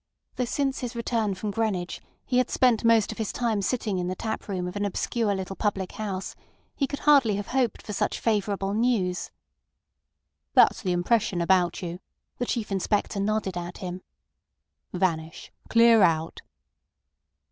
Though since his return from Greenwich he had spent most of his time sitting in the tap room of an obscure little public house, he could hardly have hoped for such favourable news. "That's the impression about you." The Chief Inspector nodded at him. "Vanish. Clear out."